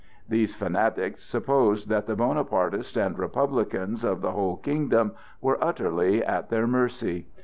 These fanatics supposed that the Bonapartists and Republicans of the whole kingdom were utterly at their mercy.